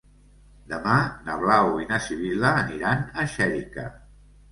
Demà na Blau i na Sibil·la aniran a Xèrica.